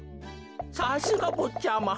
さすがぼっちゃま。